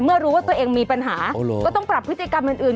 เมื่อรู้ว่าตัวเองมีปัญหาก็ต้องปรับพฤติกรรมอื่น